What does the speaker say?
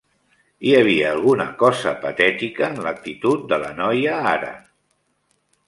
Hi havia alguna cosa patètic en l'actitud de la noia ara.